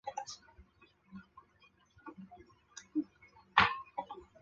琥珀光学纳米陶瓷膜是采用纳米技术和陶瓷材质加工制作的一种玻璃膜。